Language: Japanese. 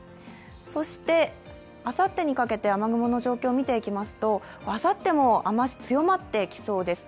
そして、あさってにかけて雨雲の状況を見ていきますと、あさっても雨足、強まってきそうです。